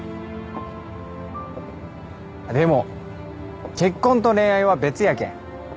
でも結婚と恋愛は別やけん。